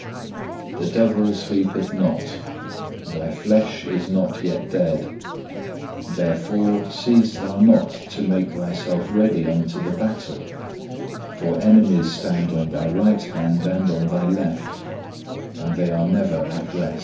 The devil sleepeth not; thy flesh is not yet dead; therefore, cease thou not to make thyself ready unto the battle, for enemies stand on thy right hand and on thy left, and they are never at rest.